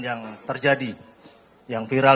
yang terjadi yang viral